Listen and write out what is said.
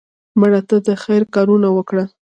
مړه ته د خیر کارونه وکړه